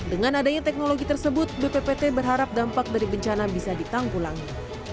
dengan adanya teknologi tersebut bppt berharap dampak dari bencana bisa ditanggulangi